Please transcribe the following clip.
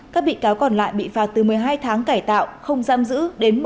các bị cáo còn lại bị phạt từ một mươi hai tháng cải tạo không giam giữ đến một mươi bảy năm